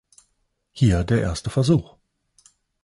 Hier der erste Versuch.